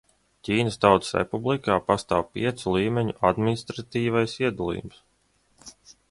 Ķīnas Tautas Republikā pastāv piecu līmeņu administratīvais iedalījums.